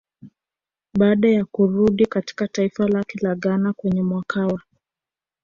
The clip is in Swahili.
Baada ya kurudi katika taifa lake la Ghana kwenye mwakawa